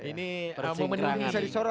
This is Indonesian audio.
ini momen ini bisa disorot kakinya prof ikam